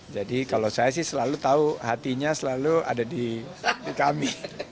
jadi kalau saya sih selalu tahu hatinya selalu ada di kami